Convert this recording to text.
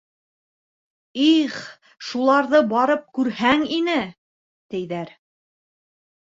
«Их, шуларҙы барып күрһәң ине!» - тиҙәр.